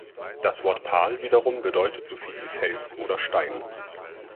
Das Wort "-pal" wiederum bedeutet so viel wie Fels oder Stein.